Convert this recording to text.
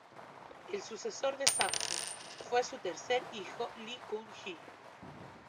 El sucesor de Samsung fue su tercer hijo Lee Kun-hee.